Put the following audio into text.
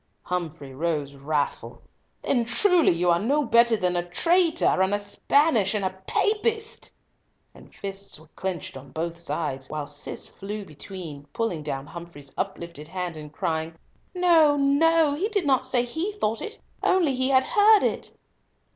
Humfrey rose wrathful. "Then truly you are no better than a traitor, and a Spaniard, and a Papist," and fists were clenched on both aides, while Cis flew between, pulling down Humfrey's uplifted hand, and crying, "No, no; he did not say he thought so, only he had heard it."